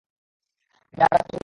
তুমি আঘাত পাওনি তো?